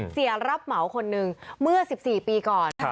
เสียรับเหมาคนหนึ่งเมื่อ๑๔ปีก่อน